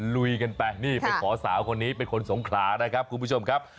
ลุยกันไปนี่ไปขอสาวคนนี้เป็นคนสงขลานะครับคุณผู้ชมครับ